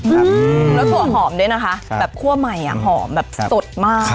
แล้วถั่วหอมด้วยนะคะแบบคั่วใหม่อ่ะหอมแบบสดมาก